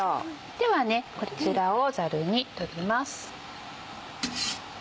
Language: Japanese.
ではこちらをザルに取ります。